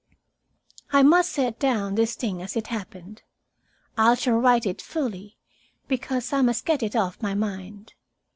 "I must set down this thing as it happened. I shall write it fully, because I must get it off my mind.